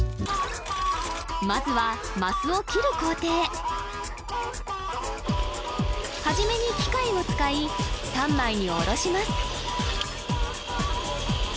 まずはますを切る工程初めに機械を使い三枚におろします